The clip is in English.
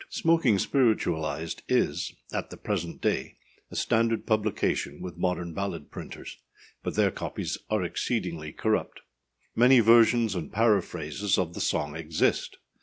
Smoking Spiritualized is, at the present day, a standard publication with modern ballad printers, but their copies are exceedingly corrupt. Many versions and paraphrases of the song exist.